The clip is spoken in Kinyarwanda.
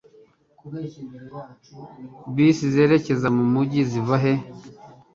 Bisi zerekeza mu mujyi ziva he?